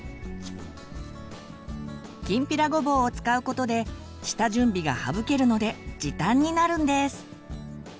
きんぴらごぼうを使うことで下準備が省けるので時短になるんです。